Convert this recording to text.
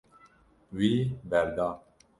Wî berda.